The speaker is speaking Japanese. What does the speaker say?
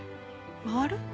回る？